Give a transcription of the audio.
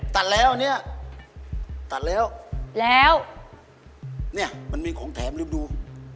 ตัดแล้วเนี่ยตัดแล้วแล้วเนี่ยมันมีของแถมลืมดู